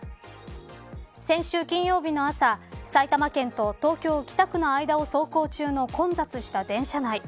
先週金曜日の朝埼玉県と東京北区の間を走行中の混雑した電車内。